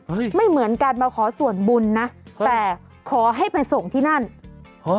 ไม่เหมือนกันมาขอส่วนบุญนะแต่ขอให้ไปส่งที่นั่นฮะ